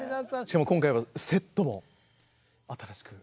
しかも今回はセットも新しく。